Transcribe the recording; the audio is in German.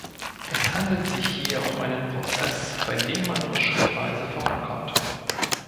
Es handelt sich hier um einen Prozess, bei dem man nur schrittweise vorankommt.